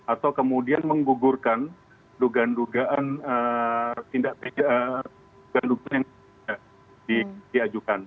atau kemudian menggugurkan dugaan dugaan tindak peja dugaan dugaan yang tidak diajukan